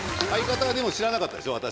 相方はでも知らなかったでしょ